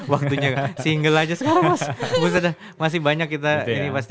waktunya single aja sekarang mas